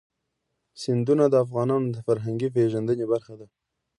سیندونه د افغانانو د فرهنګي پیژندنې برخه ده.